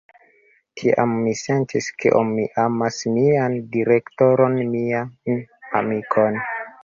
Tiam, mi sentis kiom mi amas mian direktoron, mian amikon.